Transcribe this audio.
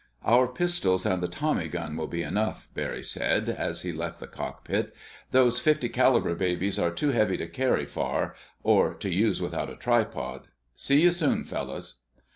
"Our pistols and the tommy gun will be enough," Barry said, as he left the cockpit. "Those fifty caliber babies are too heavy to carry far, or to use without a tripod. See you soon, fellows."